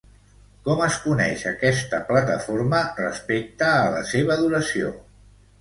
Com es coneix aquesta plataforma respecte a la seva duració?